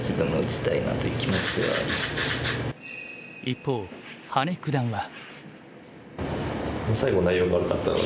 一方羽根九段は。